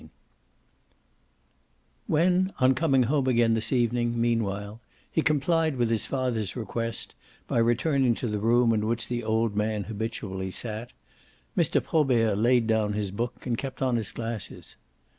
VIII When on coming home again this evening, meanwhile, he complied with his father's request by returning to the room in which the old man habitually sat, Mr. Probert laid down his book and kept on his glasses.